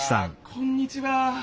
こんにちは。